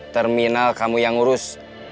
terminal kamu yang ngurus